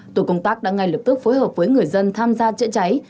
tổ công tác đã ngay lập tức phối hợp với người dân tham gia chữa cháy